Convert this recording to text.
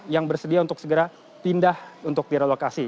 yang bersedia untuk segera pindah untuk direlokasi